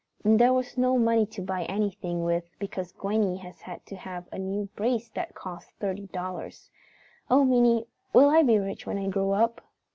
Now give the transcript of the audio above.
And there is no money to buy anything with because Gwenny has had to have a new brace that cost thirty dollars. Oh, Minnie, will I be rich when I grow up?"